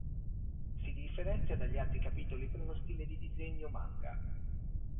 Si differenzia dagli altri capitoli per uno stile di disegno manga.